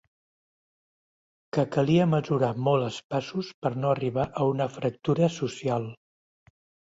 Que calia mesurar molt els passos per no arribar a una fractura social.